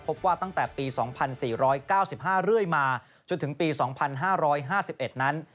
พบว่าตั้งแต่ปี๒๔๙๕เรื่อยมาจนถึงปี๒๕๕๑นั้น